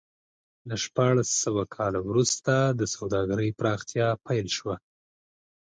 له شپاړس سوه کال وروسته د سوداګرۍ پراختیا پیل شو.